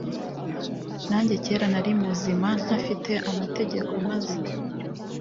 nanjye kera nari muzima ntafite amategeko maze